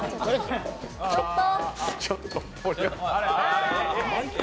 ちょっと。